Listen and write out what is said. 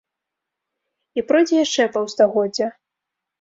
І пройдзе яшчэ паўстагоддзя.